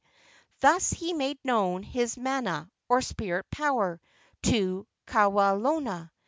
Thus he made known his mana, or spirit power, to Kawelona.